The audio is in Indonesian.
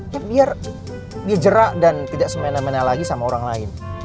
dia biar dia jerak dan tidak semena mena lagi sama orang lain